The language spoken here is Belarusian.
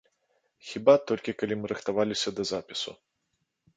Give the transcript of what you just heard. Хіба толькі калі мы рыхтаваліся да запісу.